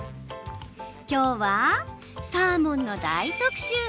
きょうはサーモンの大特集。